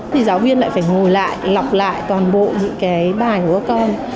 thì giáo viên lại phải ngồi lại lọc lại toàn bộ những cái bài của các con